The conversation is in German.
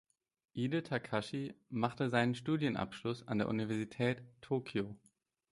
Ide Takashi machte seinen Studienabschluss an der Universität Tokio.